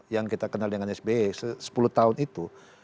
yang kita kenal dengan sby sepuluh tahun itu